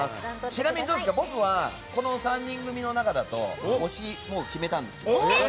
ちなみに僕はこの３人組の中だと推し、もう決めたんですよ。